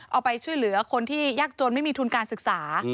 เอาไปช่วยเหลือคนที่ยากจนไม่มีทุนการศึกษา